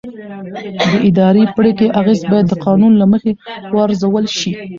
د اداري پرېکړې اغېز باید د قانون له مخې وارزول شي.